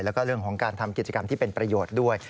แล้วก็เรื่องของการทำกิจกรรมที่เป็นประโยชน์ด้วย